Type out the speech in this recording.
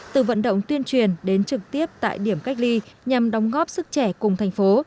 từ vận động tuyên truyền đến trực tiếp tại điểm cách ly nhằm đóng góp sức trẻ cùng thành phố